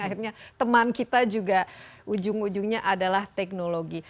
akhirnya teman kita juga ujung ujungnya adalah teknologi